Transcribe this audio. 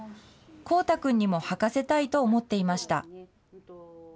煌太君にもはかせたいと思っていました。